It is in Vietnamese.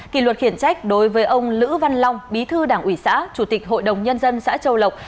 kỷ luật khiển trách đối với ông lữ văn long bí thư đảng ủy xã chủ tịch hội đồng nhân dân xã châu lộc